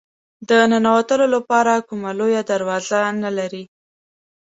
د ننوتلو لپاره کومه لویه دروازه نه لري.